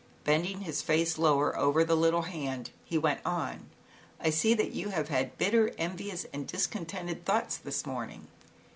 Bending his face lower over the little hand, he went on; "I see that you have had bitter, envious, and discon tented thoughts this morning."